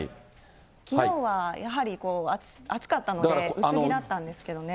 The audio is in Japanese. きのうはやはり暑かったので、薄着だったんですけどね。